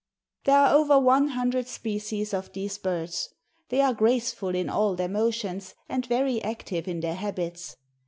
There are over one hundred species of these birds. They are graceful in all their motions and very active in their habits.